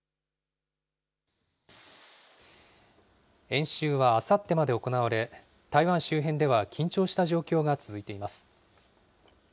演習はあさってまで行われ、台湾周辺では緊張した状況が続いています。